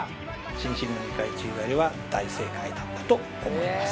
伸身２回宙返りは大正解だったと思います。